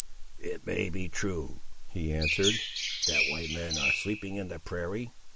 "It may be true," he answered, "that white men are sleeping in the prairie.